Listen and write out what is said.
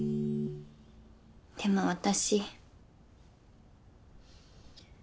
でも私。